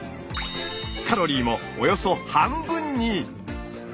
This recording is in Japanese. カロリーもおよそ半分に！